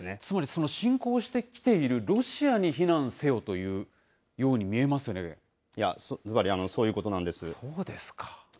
つまりその侵攻してきているロシアに避難せよというように見つまりそういうことなんです。